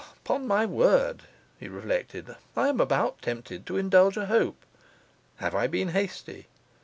'Upon my word,' he reflected, 'I am about tempted to indulge a hope. Have I been hasty?